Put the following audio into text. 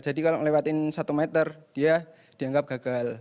jadi kalau melewati satu meter dia dianggap gagal